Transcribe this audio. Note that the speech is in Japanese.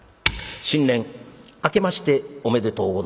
「新年あけましておめでとうございます」。